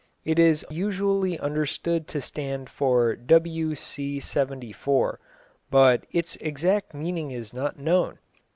It is usually understood to stand for W.C. 74, but its exact meaning is not known.